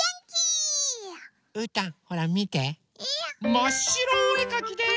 まっしろおえかきです！